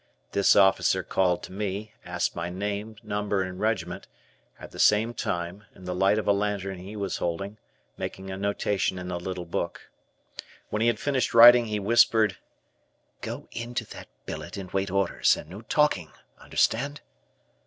This officer called to me, asked my name, number and regiment, at the same time, in the light of a lantern he was holding, making a notation in a little book. When he had finished writing, he whispered: "Go into that billet and wait orders, and no talking. Understand?"